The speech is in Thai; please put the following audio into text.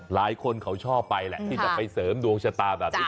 หลายคนเขาชอบไปแหละที่จะไปเสริมดวงชะตาแบบนี้